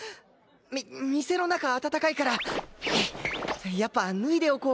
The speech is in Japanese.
み店の中暖かいからやっぱ脱いでおこうかなあ。